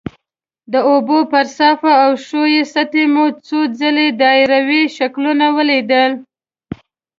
د اوبو پر صافه او ښویې سطحې مو څو ځلې دایروي شکلونه ولیدل.